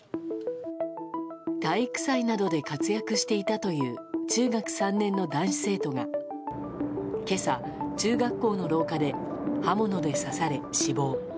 体育祭などで活躍していたという中学３年の男子生徒が今朝、中学校の廊下で刃物で刺され死亡。